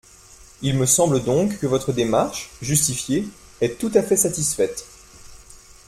Il me semble donc que votre démarche, justifiée, est tout à fait satisfaite.